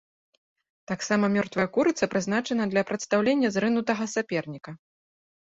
Таксама мёртвая курыца прызначана для прадстаўлення зрынутага суперніка.